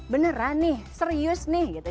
beneran nih serius nih gitu